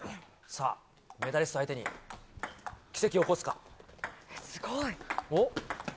メダリスト相手に奇跡を起こすか。